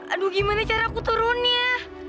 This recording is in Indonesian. aduh gimana cara aku turunnya